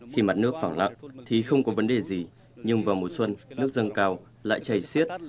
khi mặt nước phẳng lặng thì không có vấn đề gì nhưng vào mùa xuân nước dâng cao lại chảy xiết